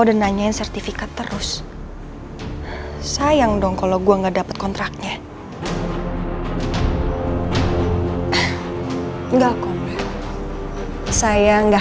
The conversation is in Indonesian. udah nanyain sertifikat terus sayang dong kalau gua nggak dapat kontraknya enggak kum saya nggak